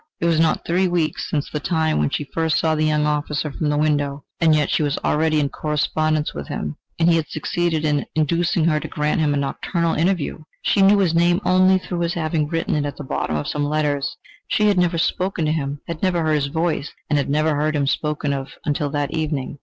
It was not three weeks since the time when she first saw the young officer from the window and yet she was already in correspondence with him, and he had succeeded in inducing her to grant him a nocturnal interview! She knew his name only through his having written it at the bottom of some of his letters; she had never spoken to him, had never heard his voice, and had never heard him spoken of until that evening.